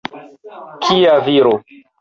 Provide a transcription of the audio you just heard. Kia viro!